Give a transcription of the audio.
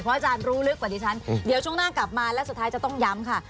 อาจารย์รู้ลึกกว่าดิฉันเดี๋ยวช่วงหน้ากลับมาและสุดท้ายจะต้องย้ำค่ะ